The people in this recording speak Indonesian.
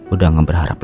udah gak berharap mw